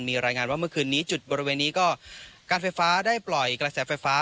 มีรายงานว่าเมื่อคืนนี้จุดบริเวณนี้ก็การไฟฟ้าได้ปล่อยกระแสไฟฟ้า